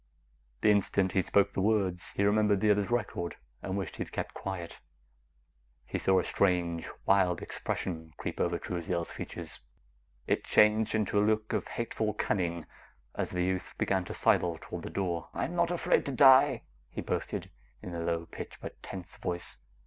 The instant he spoke the last words, he remembered the other's record and wished he had kept quiet. He saw, a strange, wild expression creep over Truesdale's features. It changed into a look of hateful cunning as the youth, began to sidle toward the door. "I'm not afraid to die!" he boasted in a low pitched but tense voice.